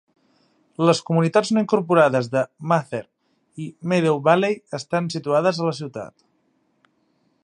Les comunitats no incorporades de Mather i Meadow Valley estan situades a la ciutat.